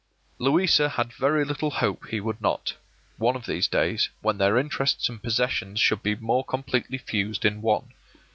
” Louisa had very little hope that he would not, one of these days, when their interests and possessions should be more completely fused in one.